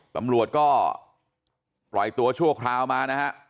ตำรวจก็ปล่อยตัวชั่วคราวมานะฮะ